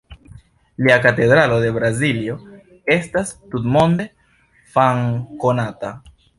Lia Katedralo de Braziljo estas tutmonde famkonata.